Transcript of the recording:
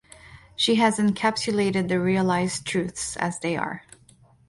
She has encapsulated the realized truths as they are.